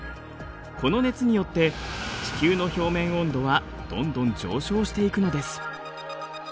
この熱によって地球の表面温度はどんどん上昇していくのです。